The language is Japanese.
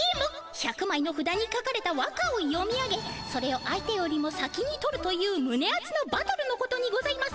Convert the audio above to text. １００まいのふだに書かれた和歌を読み上げそれを相手よりも先に取るというむねあつのバトルのことにございます。